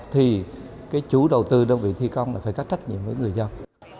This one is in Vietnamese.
thì cái chủ đầu tư đơn vị thi công là phải có trách nhiệm với người dân